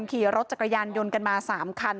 ขี่รถจักรยานยนต์กันมา๓คัน